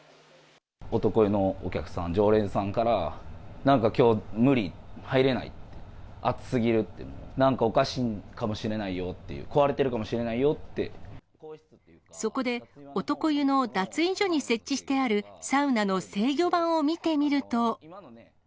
男湯のお客さん、常連さんから、なんかきょう、無理、入れない、熱すぎるってもう、なんかおかしいかもしれないよっていう、そこで、男湯の脱衣所に設置してあるサウナの制御盤を見てみると。